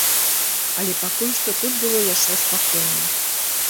Але пакуль што тут было яшчэ спакойна.